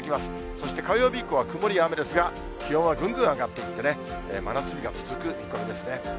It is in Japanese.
そして火曜日以降は曇りや雨ですが、気温はぐんぐん上がっていってね、真夏日が続く見込みですね。